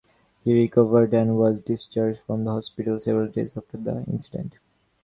He recovered and was discharged from the hospital several days after the incident.